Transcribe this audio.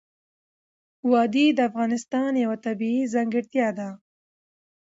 وادي د افغانستان یوه طبیعي ځانګړتیا ده.